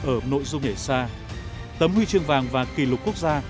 ở nội dung nhảy xa tấm huy chương vàng và kỷ lục quốc gia